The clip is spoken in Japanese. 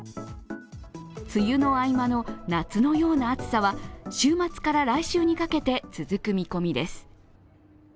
梅雨の合間の夏のような暑さは、週末から来週にかけて続く見込みです。